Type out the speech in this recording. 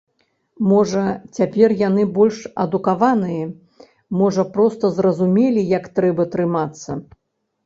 Можа, цяпер яны больш адукаваныя, можа проста зразумелі, як трэба трымацца.